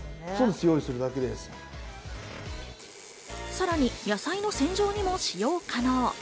さらに野菜の洗浄にも使用可能。